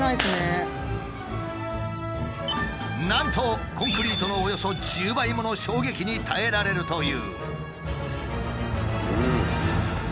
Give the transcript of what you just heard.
なんとコンクリートのおよそ１０倍もの衝撃に耐えられるという。